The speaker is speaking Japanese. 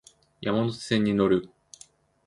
山手線に乗る